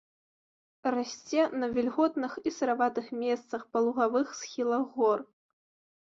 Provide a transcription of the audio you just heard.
Расце на вільготных і сыраватых месцах, па лугавых схілах гор.